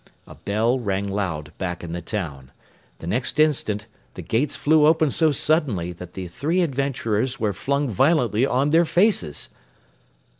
A bell rang loud back in the town. The next instant, the gates flew open so suddenly that the three adventurers were flung violently on their faces.